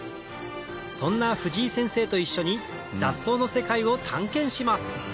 そんな藤井先生と一緒に雑草の世界を探検します